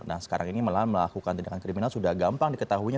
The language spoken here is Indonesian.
nah sekarang ini malahan melakukan tindakan kriminal sudah gampang diketahuinya